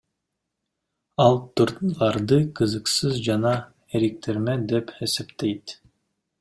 Ал турларды кызыксыз жана эриктирме деп эсептейт.